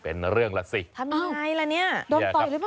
เป็นเรื่องล่ะสิทำยังไงล่ะเนี้ยโดนต่อยได้บ้างหรอ